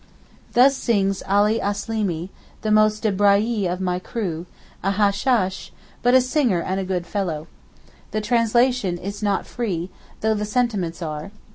Thus sings Ali Asleemee, the most debraillé of my crew, a hashshásh, but a singer and a good fellow. The translation is not free, though the sentiments are.